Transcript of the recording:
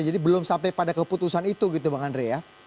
jadi belum sampai pada keputusan itu gitu bang andri ya